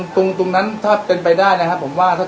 ตรงนั้นถ้าเป็นไปได้ผมว่า